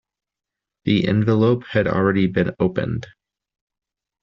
The envelope had already been opened.